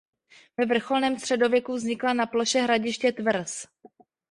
Ve vrcholném středověku vznikla na ploše hradiště tvrz.